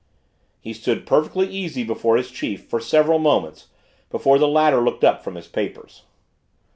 He stood perfectly easy before his chief for several moments before the latter looked up from his papers.